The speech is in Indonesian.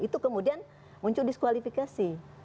itu kemudian muncul diskualifikasi